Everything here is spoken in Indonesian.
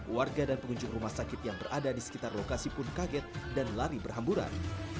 warga dan pengunjung rumah sakit yang berada di sekitar lokasi pun kaget dan lari berhamburan